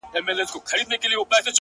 ولي مي هره شېبه هر ساعت په غم نیس!!